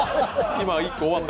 今、１個終わった。